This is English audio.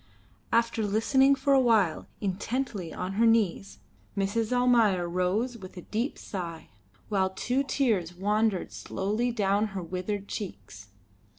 After listening for a while intently on her knees, Mrs. Almayer rose with a deep sigh, while two tears wandered slowly down her withered cheeks.